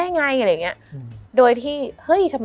มันทำให้ชีวิตผู้มันไปไม่รอด